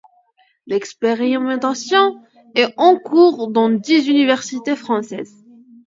L'expérimentation est en cours dans dix universités françaises.